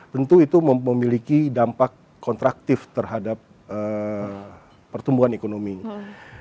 tentu itu memiliki dampak kontraktif terhadap pertumbuhan ekonomi